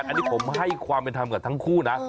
อันนี้ผมให้ความเป็นธรรมกับทั้งคู่นะ